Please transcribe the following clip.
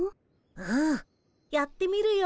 うんやってみるよ。